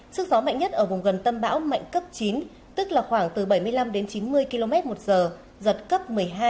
sức gió mạnh nhất ở vùng gần tâm bão mạnh cấp chín tức là khoảng từ bảy mươi năm đến chín mươi km một giờ giật cấp một mươi hai